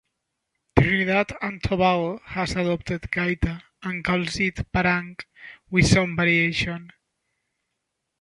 Trinidad and Tobago has adopted gaita and calls it parang with some variation.